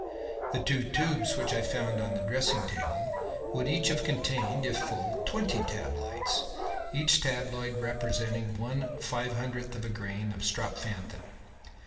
The two tubes which I found on the dressing table would each have contained, if full, twenty tabloids, each tabloid representing one five hundredth of a grain of strophanthin.